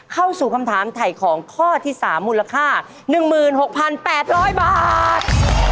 เข้าสู่คำถามถ่ายของข้อที่๓มูลค่า๑๖๘๐๐บาท